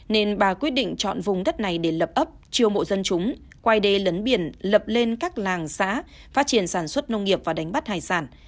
nên bà quyết định chọn vùng đất này để lập ấp chiêu mộ dân chúng quay đê lấn biển lập lên các làng xã phát triển sản xuất nông nghiệp và đánh bắt hải sản